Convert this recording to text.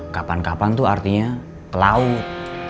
kapan kapan tuh artinya ke laut